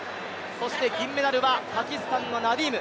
そして銀メダルはパキスタンのナディーム。